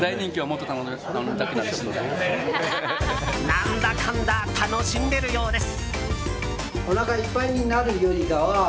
何だかんだ楽しんでるようです。